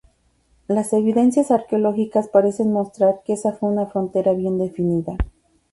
Las evidencias arqueológicas parecen mostrar que esa fue una frontera bien defendida.